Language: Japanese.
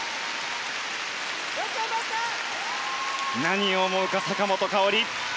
何を思うか、坂本花織。